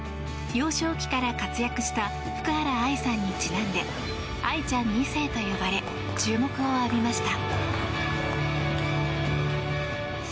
幼少期から活躍した福原愛さんにちなんで愛ちゃん２世と呼ばれ注目を浴びました。